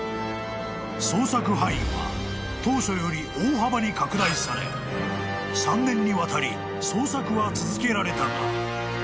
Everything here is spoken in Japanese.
［捜索範囲は当初より大幅に拡大され３年にわたり捜索は続けられたが］